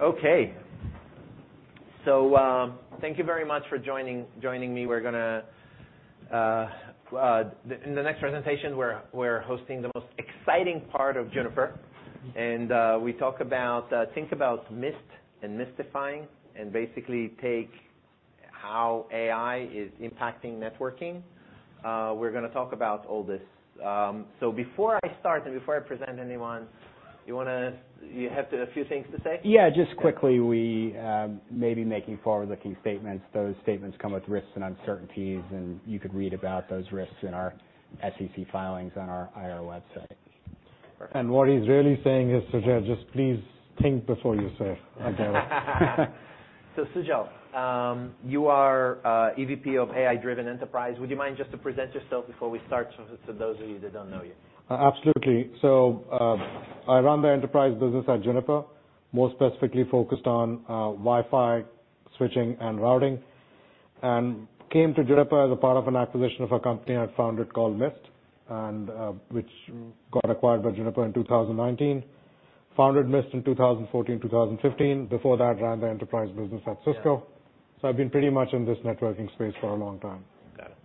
Okay. Thank you very much for joining me. We're gonna in the next presentation, we're hosting the most exciting part of Juniper, and we talk about think about Mist and Mistifying, and basically take how AI is impacting networking. We're gonna talk about all this. Before I start, and before I present anyone, you have a few things to say? Just quickly, we may be making forward-looking statements. Those statements come with risks and uncertainties. You could read about those risks in our SEC filings on our IR website. Perfect. What he's really saying is, Sujal, just please think before you say. Sujal, you are EVP of AI-Driven Enterprise. Would you mind just to present yourself before we start, so to those of you that don't know you? Absolutely. I run the enterprise business at Juniper, more specifically focused on Wi-Fi, switching, and routing, and came to Juniper as a part of an acquisition of a company I founded called Mist, which got acquired by Juniper in 2019. Founded Mist in 2014, 2015. Before that, ran the enterprise business at Cisco. Yeah. I've been pretty much in this networking space for a long time. Got it.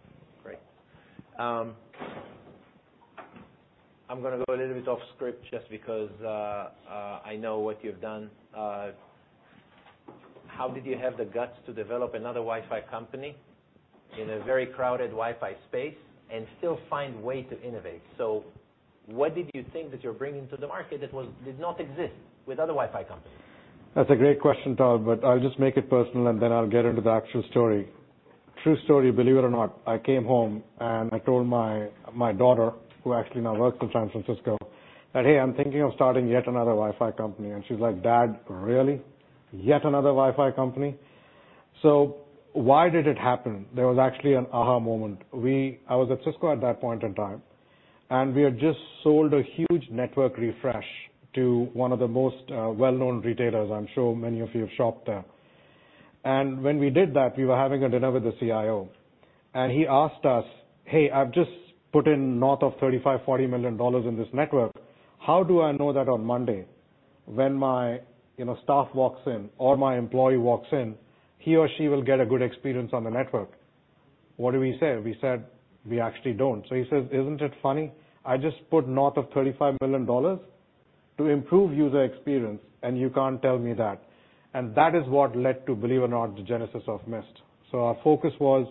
Great. I'm gonna go a little bit off script just because, I know what you've done. How did you have the guts to develop another Wi-Fi company in a very crowded Wi-Fi space, and still find way to innovate? What did you think that you're bringing to the market that did not exist with other Wi-Fi companies? That's a great question, Tal. I'll just make it personal, and then I'll get into the actual story. True story, believe it or not, I came home. I told my daughter, who actually now works in San Francisco, that, "Hey, I'm thinking of starting yet another Wi-Fi company." She's like: "Dad, really? Yet another Wi-Fi company?" Why did it happen? There was actually an aha moment. I was at Cisco at that point in time, and we had just sold a huge network refresh to one of the most well-known retailers. I'm sure many of you have shopped there. When we did that, we were having a dinner with the CIO, and he asked us: "Hey, I've just put in north of $35 million-$40 million in this network. How do I know that on Monday, when my, you know, staff walks in or my employee walks in, he or she will get a good experience on the network? What do we say? We said, "We actually don't." He says: "Isn't it funny? I just put north of $35 million to improve user experience, and you can't tell me that." That is what led to, believe it or not, the genesis of Mist. Our focus was,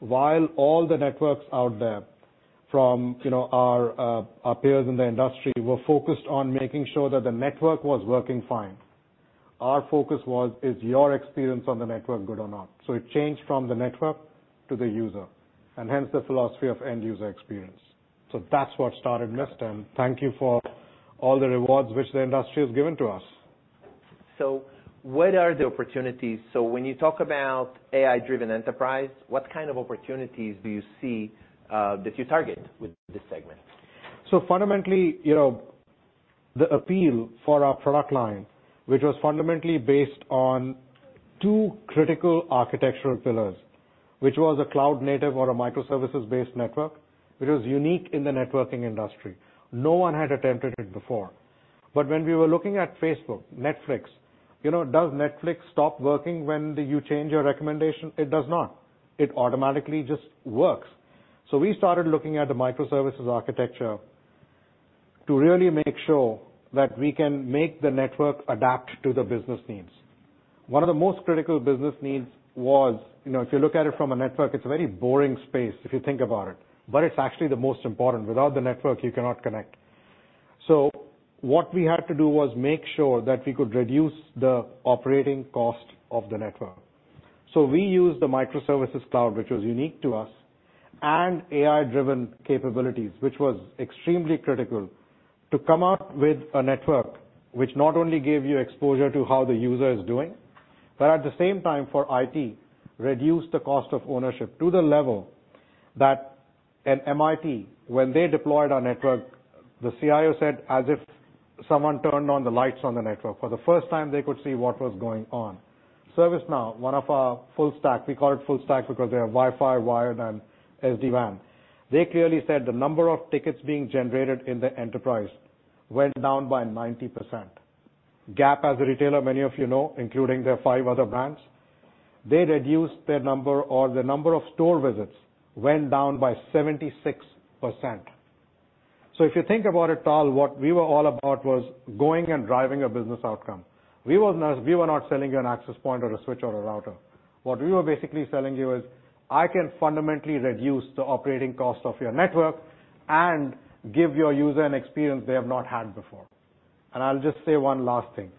while all the networks out there from, you know, our peers in the industry, were focused on making sure that the network was working fine, our focus was, is your experience on the network good or not? It changed from the network to the user, and hence, the philosophy of end user experience. That's what started Mist, and thank you for all the rewards which the industry has given to us. What are the opportunities? When you talk about AI-Driven Enterprise, what kind of opportunities do you see that you target with this segment? Fundamentally, you know, the appeal for our product line, which was fundamentally based on two critical architectural pillars, which was a cloud-native or a microservices-based network, which was unique in the networking industry. No one had attempted it before. When we were looking at Facebook, Netflix. You know, does Netflix stop working when you change your recommendation? It does not. It automatically just works. We started looking at the microservices architecture to really make sure that we can make the network adapt to the business needs. One of the most critical business needs was, you know, if you look at it from a network, it's a very boring space, if you think about it, but it's actually the most important. Without the network, you cannot connect. What we had to do was make sure that we could reduce the operating cost of the network. We used the microservices cloud, which was unique to us, and AI-driven capabilities, which was extremely critical, to come out with a network which not only gave you exposure to how the user is doing, but at the same time, for IT, reduced the cost of ownership to the level that at MIT, when they deployed our network, the CIO said, as if someone turned on the lights on the network. For the first time, they could see what was going on. ServiceNow, one of our full stack, we call it full stack because they have Wi-Fi, wired, and SD-WAN. They clearly said the number of tickets being generated in the enterprise went down by 90%. Gap, as a retailer, many of you know, including their five other brands, they reduced their number, or the number of store visits went down by 76%. If you think about it, Tal, what we were all about was going and driving a business outcome. We were not selling you an access point or a switch or a router. What we were basically selling you is, I can fundamentally reduce the operating cost of your network and give your user an experience they have not had before. I'll just say one last thing.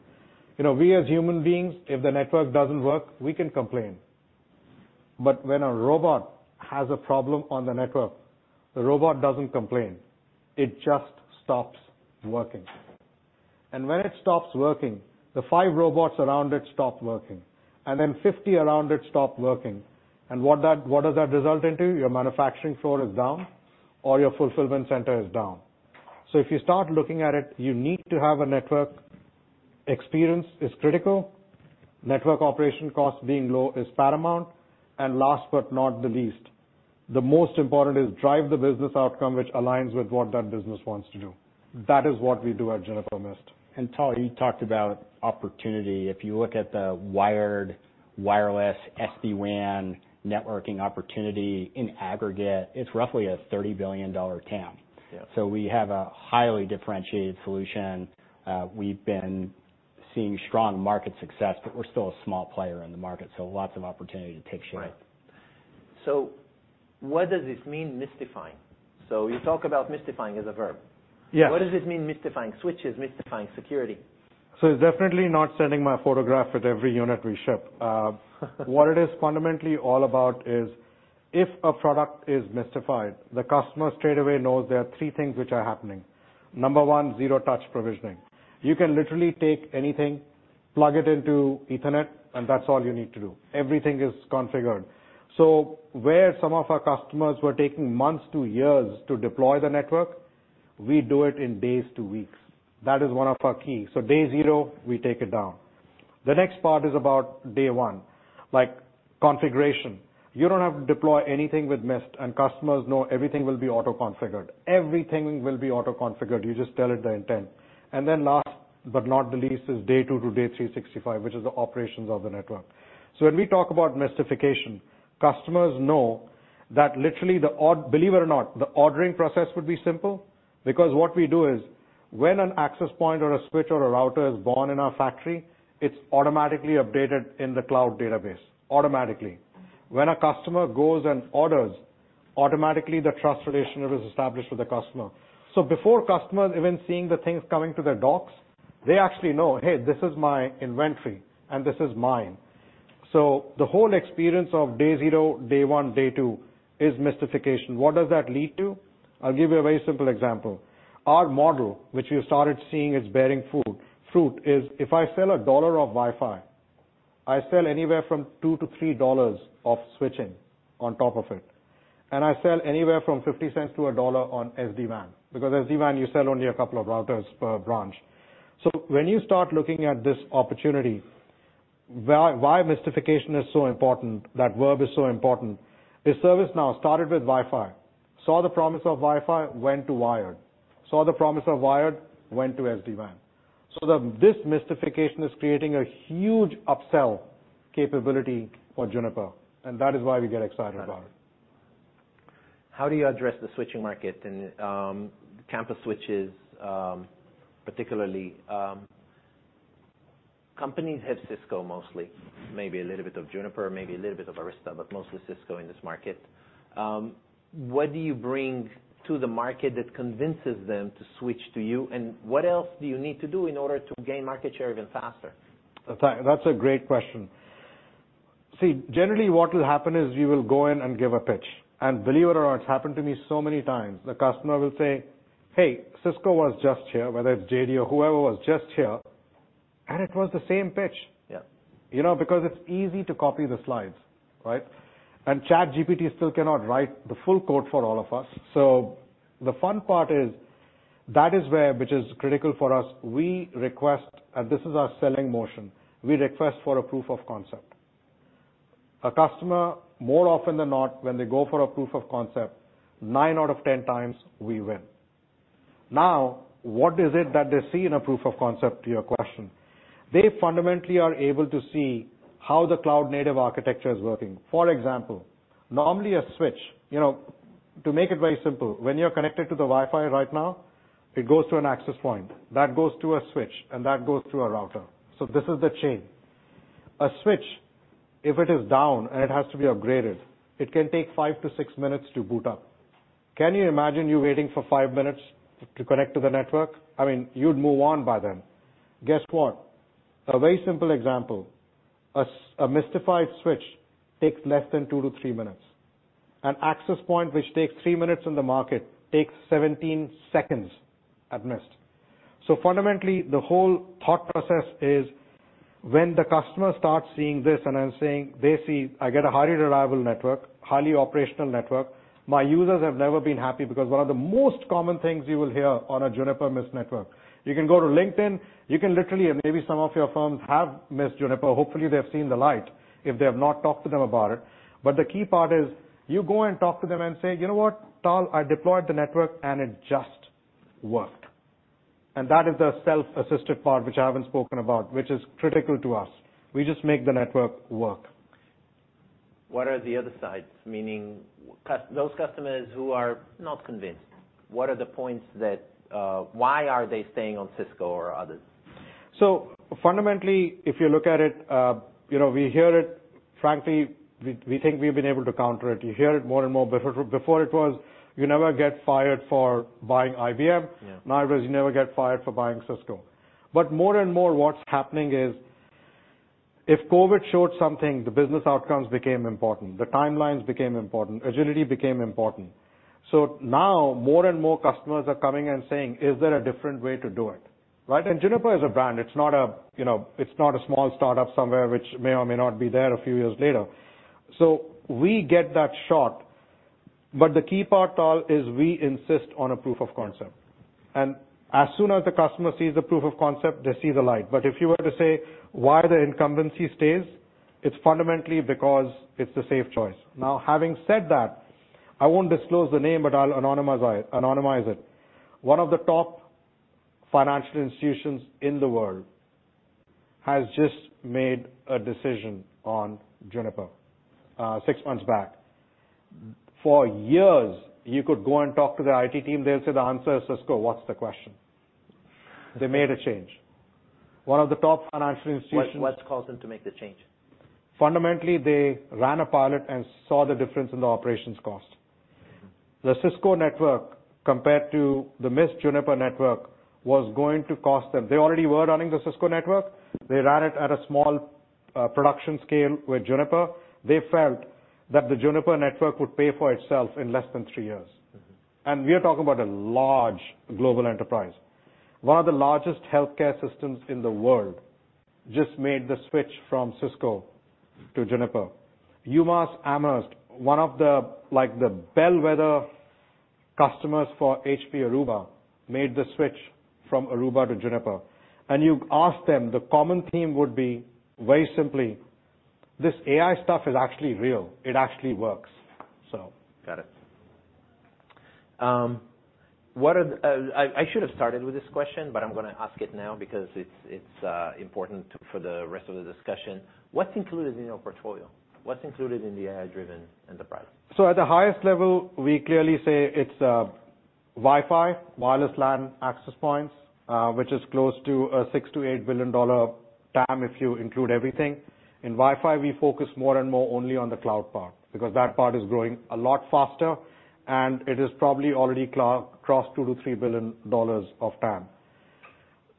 You know, we as human beings, if the network doesn't work, we can complain. When a robot has a problem on the network, the robot doesn't complain. It just stops working. When it stops working, the five robots around it stop working, and then 50 around it stop working. What does that result into? Your manufacturing floor is down or your fulfillment center is down. If you start looking at it, you need to have a network. Experience is critical. Network operation costs being low is paramount. Last but not the least, the most important is drive the business outcome, which aligns with what that business wants to do. That is what we do at Juniper Mist. Tal, you talked about opportunity. If you look at the wired, wireless, SD-WAN, networking opportunity in aggregate, it's roughly a $30 billion TAM. Yes. We have a highly differentiated solution. We've been seeing strong market success, but we're still a small player in the market, so lots of opportunity to take share. Right. What does this mean, Mistifying? You talk about Mistifying as a verb. Yes. What does it mean, Mistifying switches, Mistifying security? It's definitely not sending my photograph with every unit we ship. What it is fundamentally all about is, if a product is Mistified, the customer straight away knows there are three things which are happening. Number one, zero-touch provisioning. You can literally take anything, plug it into ethernet, and that's all you need to do. Everything is configured. Where some of our customers were taking months to years to deploy the network, we do it in days to weeks. That is one of our key. Day 0, we take it down. The next part is about day one, like configuration. You don't have to deploy anything with Mist, and customers know everything will be auto-configured. You just tell it the intent. Last but not the least, is day two to day 365, which is the operations of the network. When we talk about Mistification, customers know that literally believe it or not, the ordering process would be simple. What we do is, when an access point or a switch or a router is born in our factory, it's automatically updated in the cloud database. Automatically. When a customer goes and orders, automatically, the trust relationship is established with the customer. Before customers even seeing the things coming to their docks, they actually know, "Hey, this is my inventory, and this is mine." The whole experience of day zero, day one, day two, is Mistification. What does that lead to? I'll give you a very simple example. Our model, which you started seeing, is bearing fruit, is if I sell $1 of Wi-Fi, I sell anywhere from $2-$3 of switching on top of it. I sell anywhere from $0.50-$1 on SD-WAN, because SD-WAN, you sell only a couple of routers per branch. When you start looking at this opportunity, why Mistification is so important, that verb is so important, is ServiceNow started with Wi-Fi, saw the promise of Wi-Fi, went to wired, saw the promise of wired, went to SD-WAN. This Mistification is creating a huge upsell capability for Juniper, and that is why we get excited about it. How do you address the switching market and campus switches, particularly, companies have Cisco mostly, maybe a little bit of Juniper, maybe a little bit of Arista, but mostly Cisco in this market. What do you bring to the market that convinces them to switch to you, and what else do you need to do in order to gain market share even faster? That's a great question. See, generally what will happen is, you will go in and give a pitch, and believe it or not, it's happened to me so many times. The customer will say, "Hey, Cisco was just here," whether it's JD or whoever was just here, and it was the same pitch. Yeah. You know, because it's easy to copy the slides, right? ChatGPT still cannot write the full code for all of us. The fun part is, that is where, which is critical for us, we request, and this is our selling motion, we request for a proof of concept. A customer, more often than not, when they go for a proof of concept, nine out of 10 times we win. What is it that they see in a proof of concept, to your question? They fundamentally are able to see how the cloud-native architecture is working. For example, normally a switch, you know, to make it very simple, when you're connected to the Wi-Fi right now, it goes to an access point, that goes to a switch, and that goes to a router. This is the chain. A switch, if it is down and it has to be upgraded, it can take 5-6 minutes to boot up. Can you imagine you waiting for five minutes to connect to the network? I mean, you'd move on by then. Guess what? A very simple example, a Mistified switch takes less than 2-3 minutes. An access point which takes three minutes in the market, takes 17 seconds at Mist. Fundamentally, the whole thought process is, when the customer starts seeing this and I'm saying they see I get a highly reliable network, highly operational network, my users have never been happy, because one of the most common things you will hear on a Juniper Mist network. You can go to LinkedIn, you can literally, and maybe some of your firms have Mist Juniper. Hopefully, they have seen the light. If they have not, talk to them about it. The key part is, you go and talk to them and say, "You know what, Tal? I deployed the network and it just worked." That is the self-assisted part, which I haven't spoken about, which is critical to us. We just make the network work. What are the other sides? Meaning those customers who are not convinced, what are the points that why are they staying on Cisco or others? Fundamentally, if you look at it, you know, we hear it, frankly, we think we've been able to counter it. You hear it more and more, but before it was, you never get fired for buying IBM. Yeah. It is you never get fired for buying Cisco. More and more, what's happening is, if COVID showed something, the business outcomes became important, the timelines became important, agility became important. Now more and more customers are coming and saying: Is there a different way to do it, right? Juniper is a brand. It's not a, you know, it's not a small startup somewhere, which may or may not be there a few years later. We get that shot... The key part, Tal, is we insist on a proof of concept. As soon as the customer sees the proof of concept, they see the light. If you were to say, why the incumbency stays, it's fundamentally because it's the safe choice. Having said that, I won't disclose the name, but I'll anonymize it. One of the top financial institutions in the world has just made a decision on Juniper six months back. For years, you could go and talk to the IT team, they'll say, "The answer is Cisco. What's the question?" They made a change. What caused them to make the change? Fundamentally, they ran a pilot and saw the difference in the operations cost. Mm-hmm. The Cisco network, compared to the Mist Juniper network, was going to cost them. They already were running the Cisco network. They ran it at a small, production scale with Juniper. They felt that the Juniper network would pay for itself in less than three years. Mm-hmm. We are talking about a large global enterprise. One of the largest healthcare systems in the world just made the switch from Cisco to Juniper. UMass Amherst, one of the, like, the bellwether customers for HPE Aruba, made the switch from Aruba to Juniper. You ask them, the common theme would be very simply: this AI stuff is actually real. It actually works, so. Got it. I should have started with this question, but I'm gonna ask it now because it's important for the rest of the discussion. What's included in your portfolio? What's included in the AI-Driven Enterprise? At the highest level, we clearly say it's Wi-Fi, wireless LAN access points, which is close to a $6 billion-$8 billion TAM, if you include everything. In Wi-Fi, we focus more and more only on the cloud part, because that part is growing a lot faster, and it is probably already crossed $2 billion-$3 billion of TAM.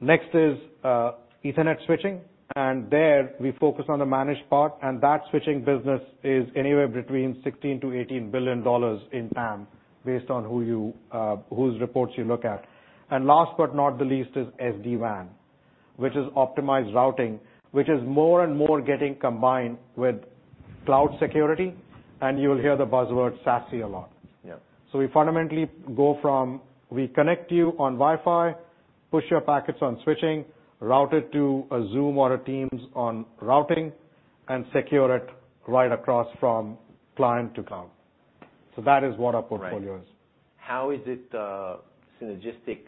Next is Ethernet switching, and there we focus on the managed part, and that switching business is anywhere between $16 billion-$18 billion in TAM, based on who you, whose reports you look at. Last but not the least is SD-WAN, which is optimized routing, which is more and more getting combined with cloud security, and you will hear the buzzword SASE a lot. Yeah. We fundamentally go from, we connect you on Wi-Fi, push your packets on switching, route it to a Zoom or a Teams on routing, and secure it right across from client to cloud. That is what our portfolio is. Right. How is it, synergistic...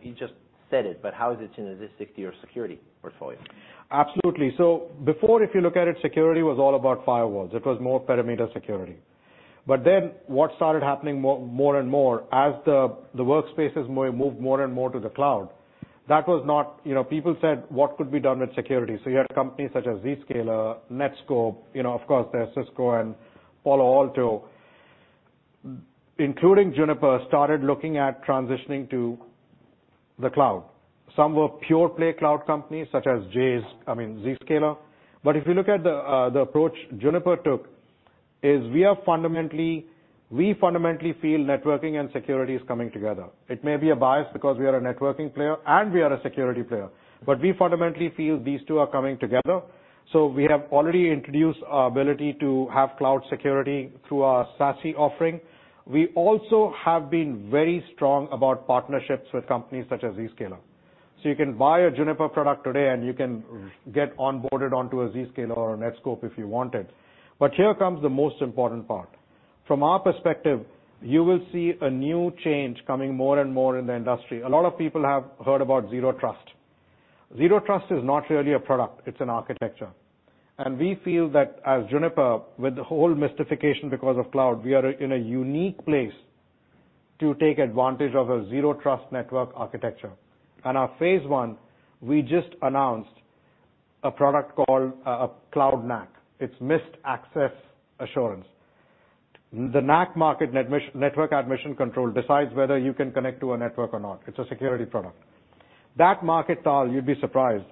you just said it, but how is it synergistic to your security portfolio? Absolutely. Before, if you look at it, security was all about firewalls. It was more perimeter security. What started happening more and more, as the workspaces moved more and more to the cloud, that was not... You know, people said, "What could be done with security?" You had companies such as Zscaler, Netskope, you know, of course, there's Cisco and Palo Alto, including Juniper, started looking at transitioning to the cloud. Some were pure-play cloud companies, such as, I mean, Zscaler. If you look at the approach Juniper took, is we are fundamentally, we fundamentally feel networking and security is coming together. It may be a bias because we are a networking player and we are a security player, but we fundamentally feel these two are coming together. We have already introduced our ability to have cloud security through our SASE offering. We also have been very strong about partnerships with companies such as Zscaler. You can buy a Juniper product today, and you can get onboarded onto a Zscaler or a Netskope if you want it. Here comes the most important part. From our perspective, you will see a new change coming more and more in the industry. A lot of people have heard about Zero Trust. Zero Trust is not really a product, it's an architecture. We feel that as Juniper, with the whole mystification because of cloud, we are in a unique place to take advantage of a Zero Trust network architecture. Our phase one, we just announced a product called a Cloud NAC. It's Mist Access Assurance. The NAC market, network admission control, decides whether you can connect to a network or not. It's a security product. That market, Tal, you'd be surprised.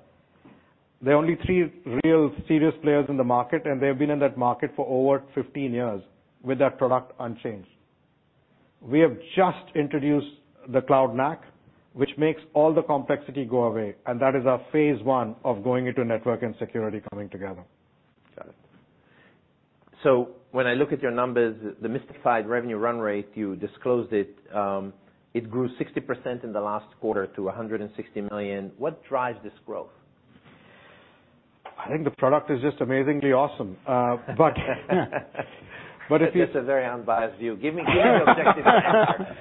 There are only three real serious players in the market, and they've been in that market for over 15 years with that product unchanged. We have just introduced the Cloud NAC, which makes all the complexity go away, and that is our phase one of going into network and security coming together. Got it. When I look at your numbers, the Mistified revenue run rate, you disclosed it grew 60% in the last quarter to $160 million. What drives this growth? I think the product is just amazingly awesome. If you- That's a very unbiased view. Give me the objective answer.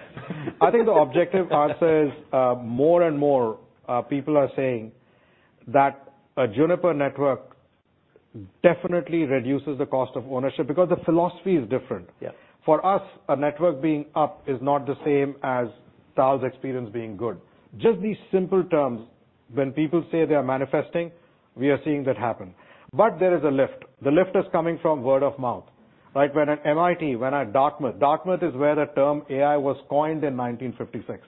I think the objective answer is, more and more, people are saying that a Juniper network definitely reduces the cost of ownership because the philosophy is different. Yeah. For us, a network being up is not the same as Tal's experience being good. Just these simple terms, when people say they are manifesting, we are seeing that happen. There is a lift. The lift is coming from word of mouth. Like, when at MIT, when at Dartmouth is where the term AI was coined in 1956.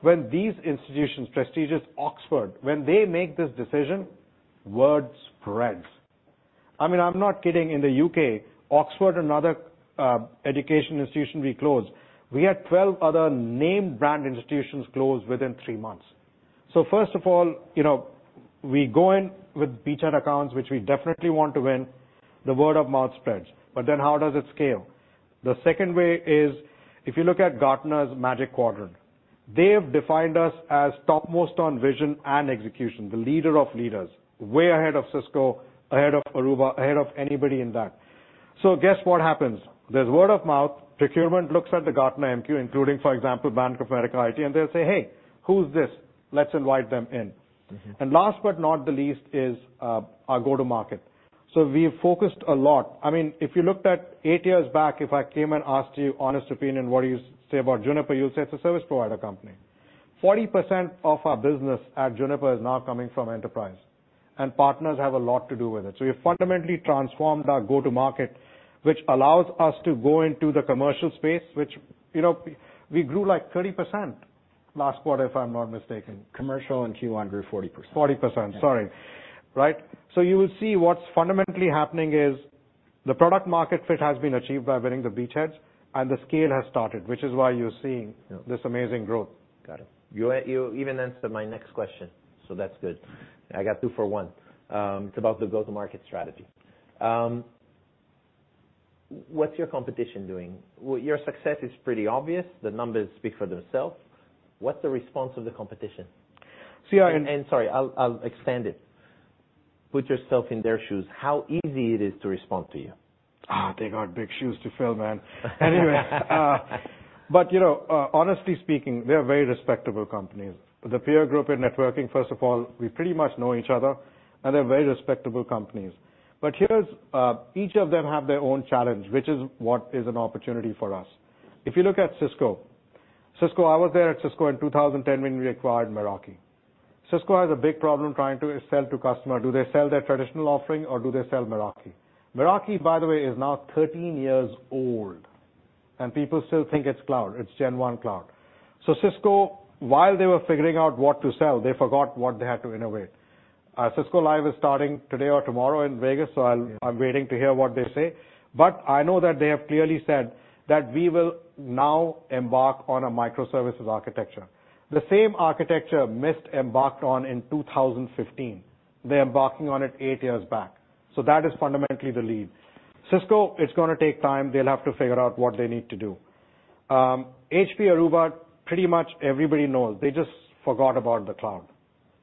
When these institutions, prestigious Oxford, when they make this decision, word spreads. I mean, I'm not kidding. In the U.K., Oxford and other education institution we closed, we had 12 other name brand institutions close within three months. First of all, you know, we go in with beachhead accounts, which we definitely want to win. The word of mouth spreads, how does it scale? The second way is, if you look at Gartner's Magic Quadrant, they have defined us as topmost on vision and execution, the leader of leaders, way ahead of Cisco, ahead of Aruba, ahead of anybody in that. Guess what happens? There's word of mouth. Procurement looks at the Gartner MQ, including, for example, Bank of America IT, and they'll say, "Hey, who's this? Let's invite them in. Mm-hmm. Last but not the least is our go-to-market. We've focused a lot. I mean, if you looked at eight years back, if I came and asked you honest opinion, what do you say about Juniper? You'll say it's a service provider company. 40% of our business at Juniper is now coming from enterprise, and partners have a lot to do with it. We have fundamentally transformed our go-to-market, which allows us to go into the commercial space, which, you know, we grew, like, 30% last quarter, if I'm not mistaken. Commercial Q1 grew 40%. 40%, sorry. Right? You will see what's fundamentally happening is the product market fit has been achieved by winning the beachheads, and the scale has started, which is why you're seeing this amazing growth. Got it. You even answered my next question, so that's good. I got two for one. It's about the go-to-market strategy. What's your competition doing? Well, your success is pretty obvious. The numbers speak for themselves. What's the response of the competition? So you are- Sorry, I'll expand it. Put yourself in their shoes. How easy it is to respond to you? They got big shoes to fill, man. You know, honestly speaking, they're very respectable companies. The peer group in networking, first of all, we pretty much know each other, and they're very respectable companies. Here's. Each of them have their own challenge, which is what is an opportunity for us. If you look at Cisco. Cisco, I was there at Cisco in 2010 when we acquired Meraki. Cisco has a big problem trying to sell to customer. Do they sell their traditional offering, or do they sell Meraki? Meraki, by the way, is now 13 years old, and people still think it's cloud. It's gen-1 cloud. Cisco, while they were figuring out what to sell, they forgot what they had to innovate. Cisco Live is starting today or tomorrow in Vegas. Yes. I'm waiting to hear what they say, but I know that they have clearly said that we will now embark on a microservices architecture, the same architecture Mist embarked on in 2015. They're embarking on it eight years back, so that is fundamentally the lead. Cisco, it's gonna take time. They'll have to figure out what they need to do. HPE Aruba, pretty much everybody knows, they just forgot about the cloud.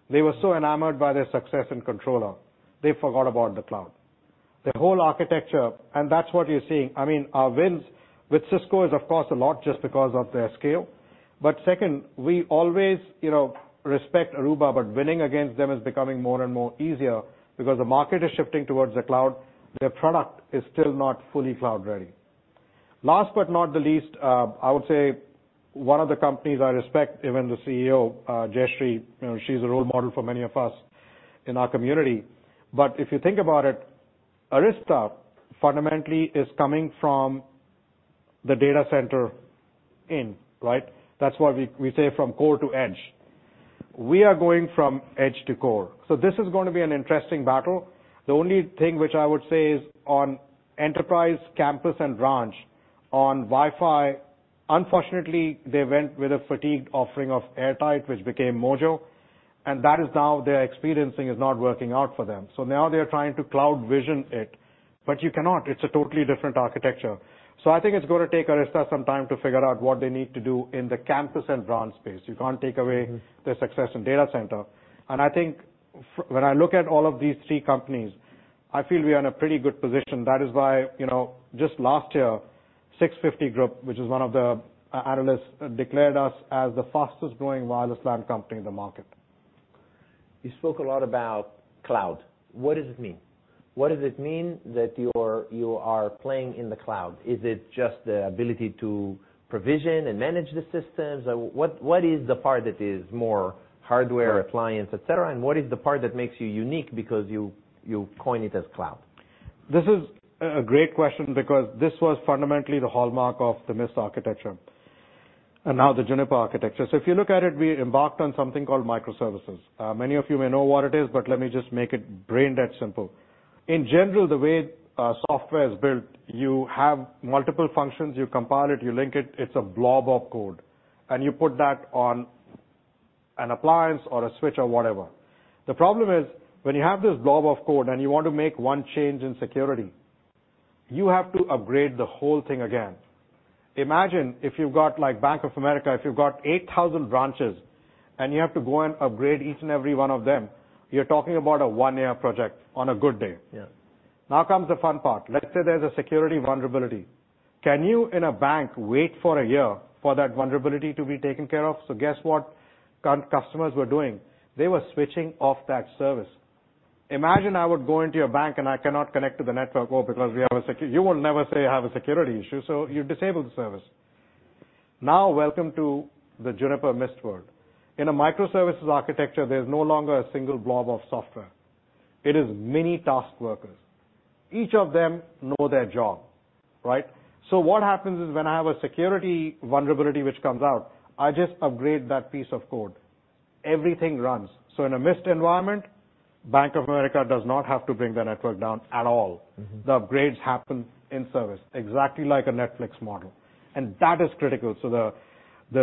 They were so enamored by their success and controller, they forgot about the cloud, their whole architecture, and that's what you're seeing. I mean our wins with Cisco is, of course, a lot just because of their scale. Second, we always, you know, respect Aruba, but winning against them is becoming more and more easier because the market is shifting towards the cloud. Their product is still not fully cloud-ready. Last but not the least, I would say one of the companies I respect, even the CEO, Jayshree, you know, she's a role model for many of us in our community. If you think about it, Arista fundamentally is coming from the data center in, right? That's why we say from core to edge. We are going from edge to core, this is going to be an interesting battle. The only thing which I would say is on enterprise, campus, and branch, on Wi-Fi, unfortunately, they went with a fatigued offering of AirTight, which became Mojo, and that is now they're experiencing is not working out for them. Now they are trying to CloudVision it, you cannot. It's a totally different architecture. I think it's gonna take Arista some time to figure out what they need to do in the campus and branch space. You can't take away-. Mm. the success in data center. I think when I look at all of these three companies, I feel we are in a pretty good position. That is why, you know, just last year, 650 Group, which is one of the analysts, declared us as the fastest growing wireless LAN company in the market. You spoke a lot about cloud. What does it mean? What does it mean that you are playing in the cloud? Is it just the ability to provision and manage the systems? What is the part that is more hardware- Right... appliance, et cetera. What is the part that makes you unique because you coin it as cloud? This is a great question because this was fundamentally the hallmark of the Mist architecture and now the Juniper architecture. If you look at it, we embarked on something called microservices. Many of you may know what it is, but let me just make it brain dead simple. In general, the way software is built, you have multiple functions: you compile it, you link it's a blob of code, and you put that on an appliance or a switch or whatever. The problem is, when you have this blob of code and you want to make one change in security, you have to upgrade the whole thing again. Imagine if you've got, like, Bank of America, if you've got 8,000 branches and you have to go and upgrade each and every one of them, you're talking about a one-year project on a good day. Yes. Comes the fun part. Let's say there's a security vulnerability. Can you, in a bank, wait for a year for that vulnerability to be taken care of? Guess what customers were doing? They were switching off that service. Imagine I would go into your bank, and I cannot connect to the network, because we have a sec... You will never say I have a security issue, you disable the service. Welcome to the Juniper Mist world. In a microservices architecture, there's no longer a single blob of software. It is mini task workers. Each of them know their job, right? What happens is, when I have a security vulnerability which comes out, I just upgrade that piece of code. Everything runs. Bank of America does not have to bring the network down at all. Mm-hmm. The upgrades happen in service, exactly like a Netflix model. That is critical. The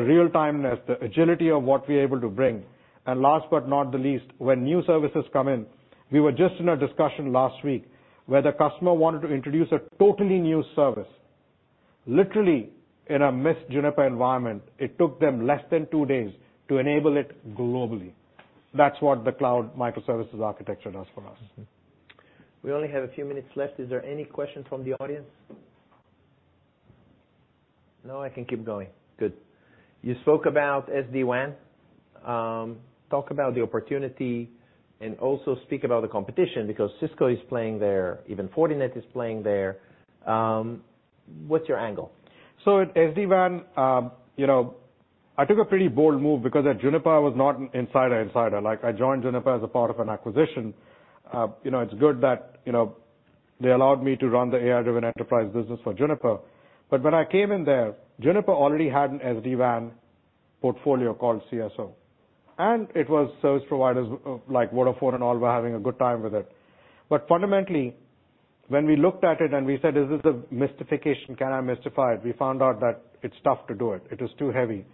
real-timeness, the agility of what we're able to bring. Last but not the least, when new services come in, we were just in a discussion last week where the customer wanted to introduce a totally new service. Literally, in a Mist Juniper environment, it took them less than two days to enable it globally. That's what the cloud microservices architecture does for us. Mm-hmm. We only have a few minutes left. Is there any questions from the audience? No, I can keep going. Good. You spoke about SD-WAN. Talk about the opportunity and also speak about the competition, because Cisco is playing there, even Fortinet is playing there. What's your angle? At SD-WAN, you know, I took a pretty bold move because at Juniper, I was not an insider. Like, I joined Juniper as a part of an acquisition. You know, it's good that, you know, they allowed me to run the AI-Driven Enterprise business for Juniper. When I came in there, Juniper already had an SD-WAN portfolio called CSO, and it was service providers like Vodafone and all, were having a good time with it. Fundamentally, when we looked at it and we said, "Is this a Mistification? Can I Mistify it?" We found out that it's tough to do it. It is too heavy.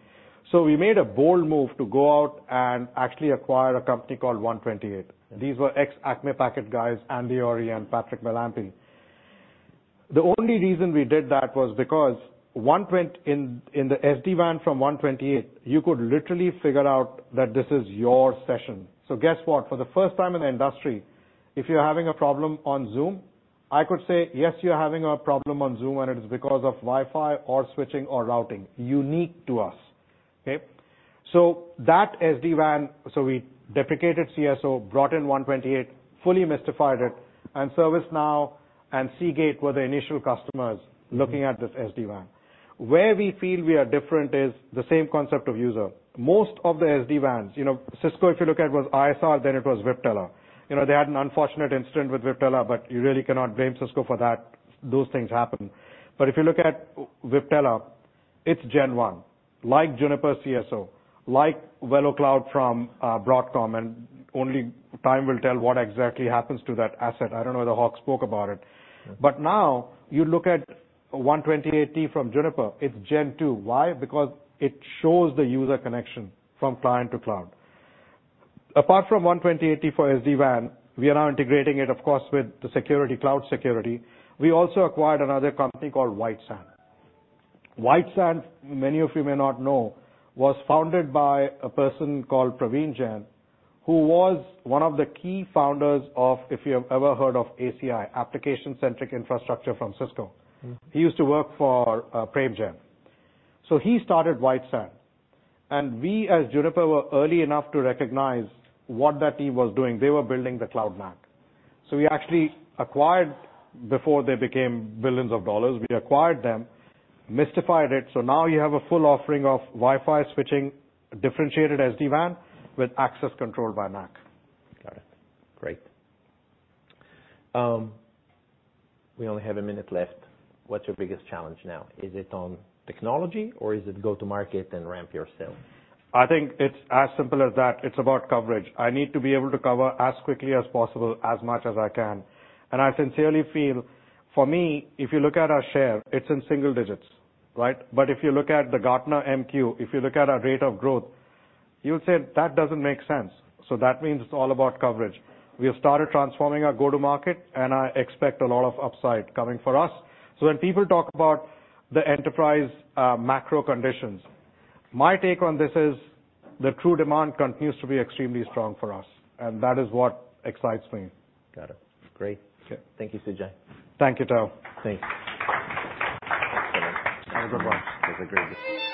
We made a bold move to go out and actually acquire a company called 128. These were ex-Acme Packet guys, Andy Ory and Patrick MeLampy. The only reason we did that was because in the SD-WAN from 128, you could literally figure out that this is your session. Guess what? For the first time in the industry, if you're having a problem on Zoom, I could say, "Yes, you're having a problem on Zoom, and it is because of Wi-Fi or switching or routing," unique to us, okay? We deprecated CSO, brought in 128, fully Mistified it, and ServiceNow and Seagate were the initial customers. Mm. Looking at this SD-WAN. Where we feel we are different is the same concept of user. Most of the SD-WANs, you know, Cisco, if you look at, was ISR, then it was Viptela. You know, they had an unfortunate incident with Viptela, but you really cannot blame Cisco for that. Those things happen. If you look at Viptela, it's gen one, like Juniper CSO, like VeloCloud from Broadcom, and only time will tell what exactly happens to that asset. I don't know whether Hawk spoke about it. Yeah. Now, you look at 128 from Juniper, it's gen 2. Why? Because it shows the user connection from client to cloud. Apart from 128 for SD-WAN, we are now integrating it, of course, with the security, cloud security. We also acquired another company called WiteSand. WiteSand, many of you may not know, was founded by a person called Praveen Jain, who was one of the key founders of, if you have ever heard of ACI, Application Centric Infrastructure from Cisco. Mm. He used to work for Praveen Jain. He started WiteSand, and we, as Juniper, were early enough to recognize what that team was doing. They were building the Cloud NAC. We actually acquired, before they became billions of dollars, we acquired them, Mistified it. Now you have a full offering of Wi-Fi switching, differentiated SD-WAN, with access control by MAC. Got it. Great. We only have a minute left. What's your biggest challenge now? Is it on technology or is it go to market and ramp your sales? I think it's as simple as that. It's about coverage. I need to be able to cover as quickly as possible, as much as I can. I sincerely feel, for me, if you look at our share, it's in single digits, right? If you look at the Gartner MQ, if you look at our rate of growth, you would say, "That doesn't make sense." That means it's all about coverage. We have started transforming our go-to market, and I expect a lot of upside coming for us. When people talk about the enterprise macro conditions, my take on this is the true demand continues to be extremely strong for us, and that is what excites me. Got it. Great. Okay. Thank you, Sujal. Thank you, Tal. Thanks. Have a good one. It was a great discussion.